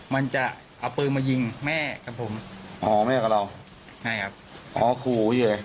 มันจะเอาปืนมายิงแม่กับผมอ๋อแม่กับเราใช่ครับอ๋อขู่อยู่เลย